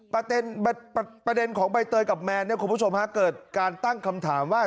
ประเด็นของใบเตยกับแมนเนี่ยคุณผู้ชมฮะเกิดการตั้งคำถามว่า